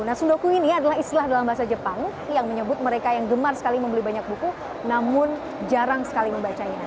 nah sundoku ini adalah istilah dalam bahasa jepang yang menyebut mereka yang gemar sekali membeli banyak buku namun jarang sekali membacanya